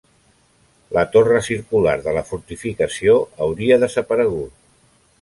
La torre circular de la fortificació hauria desaparegut.